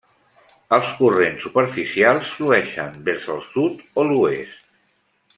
Els corrents superficials flueixen vers els sud o l'oest.